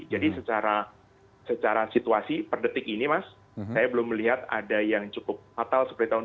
jadi secara situasi per detik ini mas saya belum melihat ada yang cukup fatal seperti tahun dua ribu delapan dua ribu sembilan